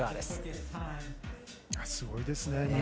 すごいですね。